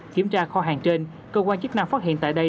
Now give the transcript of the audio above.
kiểm tra kho hàng trên cơ quan chức năng phát hiện tại đây